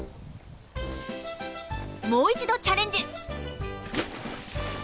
もう一度チャレンジ！